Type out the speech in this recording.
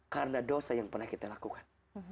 karena dosa yang pernah kita lakukan